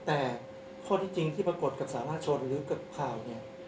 แต่ข้อที่จริงที่ปรากฏกับสาธารณชนหรือกับข่าวเนี่ย